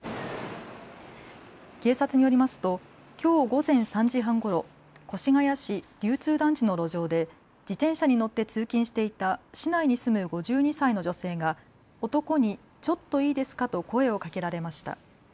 警察によりますときょう午前３時半ごろ越谷市流通団地の路上で自転車に乗って通勤していた市内に住む５２歳の女性が男にちょっといいですかと声をかけられました。